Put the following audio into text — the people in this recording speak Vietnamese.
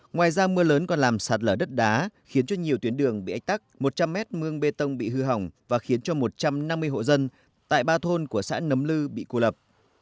ngoài ra mưa lớn còn làm sạt lở đất đá khiến cho nhiều tuyến đường bị ách tắc một trăm linh mét mương bê tông bị hư hỏng và khiến cho một trăm năm mươi hộ dân tại ba thôn của xã nấm lư bị cô lập